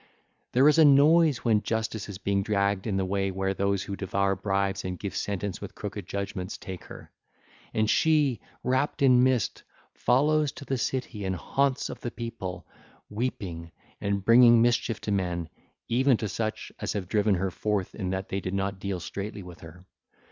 There is a noise when Justice is being dragged in the way where those who devour bribes and give sentence with crooked judgements, take her. And she, wrapped in mist, follows to the city and haunts of the people, weeping, and bringing mischief to men, even to such as have driven her forth in that they did not deal straightly with her.